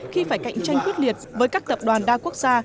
khi phải cạnh tranh quyết liệt với các tập đoàn đa quốc gia